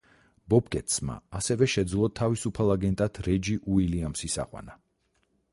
ბობკეტსმა ასევე შეძლო თავისუფალ აგენტად რეჯი უილიამსის აყვანა.